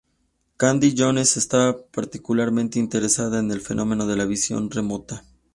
Candy Jones estaba particularmente interesada en el fenómeno de la visión remota.